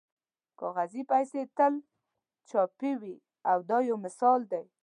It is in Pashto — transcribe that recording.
کاغذي پیسې تل چوپې وي دا یو مثال دی.